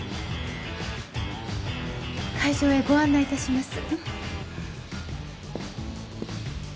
会場へご案内いたします。